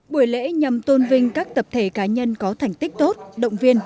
buổi lễ nhằm tôn vinh các tập thể cá nhân có thành tích tốt động viên